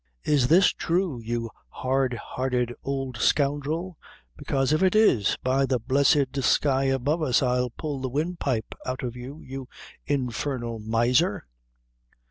Is this thrue, you hard hearted ould scoundrel? bekaise if it is, by the blessed sky above us, I'll pull the wind pipe out of you, you infernal miser!"